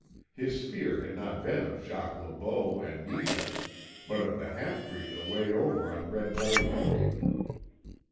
His fear had not been of Jacques Le Beau and Netah, but of the halfbreed away over on Red Belly Lake.